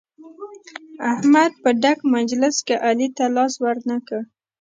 احمد په ډک مجلس کې علي ته لاس ور نه کړ.